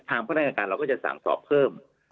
พนักงานเราก็จะสั่งสอบเพิ่ม